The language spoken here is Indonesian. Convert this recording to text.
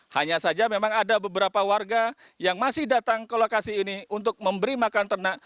hanya saja memang ada beberapa warga yang masih datang ke lokasi ini untuk memberi makan ternak